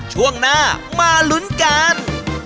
ช่วงหน้ามาลุ้นกัน